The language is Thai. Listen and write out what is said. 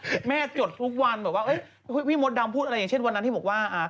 แม่จดทุกวันแบบว่าพี่มดดำพูดอะไรอย่างเช่นวันนั้นที่บอกว่า